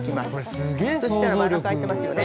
そしたら真ん中、空いてますよね。